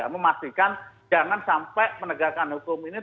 memastikan jangan sampai penegakan hukum ini